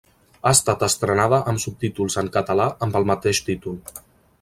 Ha estat estrenada amb subtítols en català, amb el mateix títol.